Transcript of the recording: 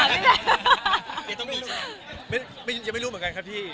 ยังไม่รู้เหมือนกันครับพี่